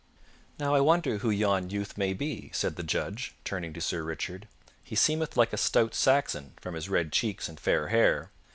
"Now, I wonder who yon youth may be," said the judge, turning to Sir Richard, "he seemeth like a stout Saxon from his red cheeks and fair hair.